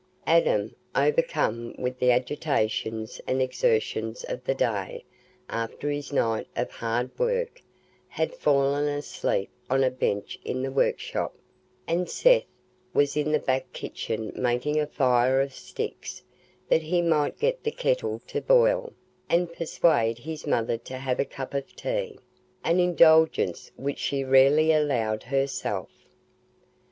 Adam, overcome with the agitations and exertions of the day after his night of hard work, had fallen asleep on a bench in the workshop; and Seth was in the back kitchen making a fire of sticks that he might get the kettle to boil, and persuade his mother to have a cup of tea, an indulgence which she rarely allowed herself.